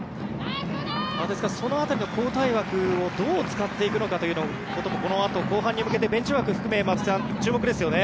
ですから、その辺りの交代枠をどう使っていくのかもこのあと後半に向けてベンチ枠含め松木さん注目ですよね。